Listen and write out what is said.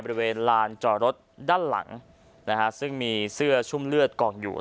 บริเวณลานจอรถด้านหลังนะฮะซึ่งมีเสื้อชุ่มเลือดกองอยู่